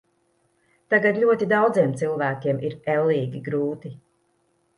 Tagad ļoti daudziem cilvēkiem ir ellīgi grūti.